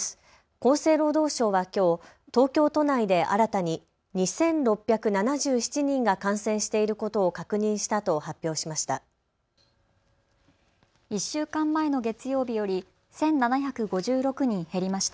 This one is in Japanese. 厚生労働省はきょう、東京都内で新たに２６７７人が感染していることを確認したと発表しました。